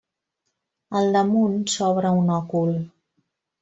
Al damunt s'obre un òcul.